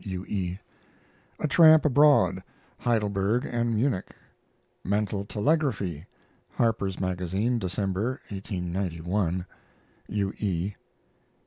U. E. A TRAMP ABROAD (Heidelberg and Munich). MENTAL TELEGRAPHY Harper's Magazine, December, 1891. U. E.